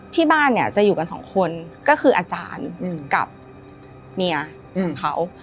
ที่บ้านเนี่ยจะอยู่กันสองคนก็คืออาจารย์กับเมียของเขา